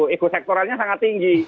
ego sektorannya sangat tinggi